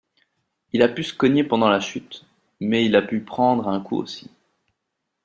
Il a pu se cogner pendant la chute, mais il a pu prendre un coup aussi.